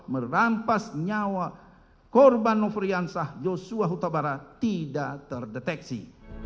merampas nyawa korban nofriansah joshua hutabara tidak terdeteksi